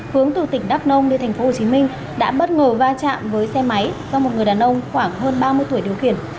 hướng từ tỉnh đắk nông đi tp hcm đã bất ngờ va chạm với xe máy do một người đàn ông khoảng hơn ba mươi tuổi điều khiển